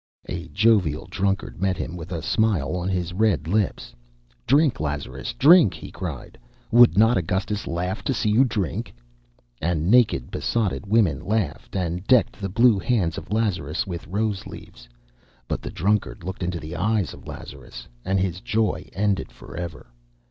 A jovial drunkard met him with a smile on his red lips. "Drink, Lazarus, drink!" he cried, "Would not Augustus laugh to see you drink!" And naked, besotted women laughed, and decked the blue hands of Lazarus with rose leaves. But the drunkard looked into the eyes of Lazarus and his joy ended forever.